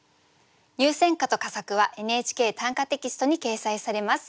入選歌と佳作は「ＮＨＫ短歌」テキストに掲載されます。